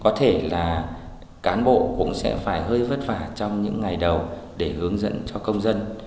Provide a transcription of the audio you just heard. có thể là cán bộ cũng sẽ phải hơi vất vả trong những ngày đầu để hướng dẫn cho công dân